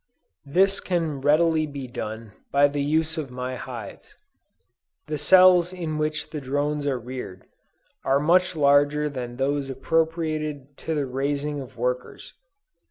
This can readily be done by the use of my hives. The cells in which the drones are reared, are much larger than those appropriated to the raising of workers.